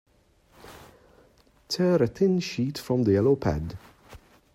Tear a thin sheet from the yellow pad.